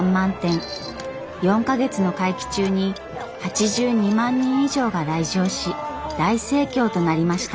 ４か月の会期中に８２万人以上が来場し大盛況となりました。